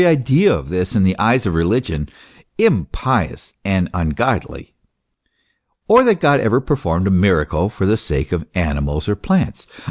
103 idea of this is, in the eyes of religion, impious and ungodly ; or that God ever performed a miracle for the sake of animals or plants.